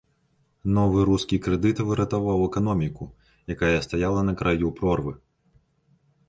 Новы рускі крэдыт выратаваў эканоміку, якая стаяла на краю прорвы.